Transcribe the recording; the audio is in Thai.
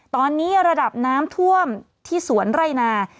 ตอนนี้ระดับน้ำท่วมที่สวนไร่นา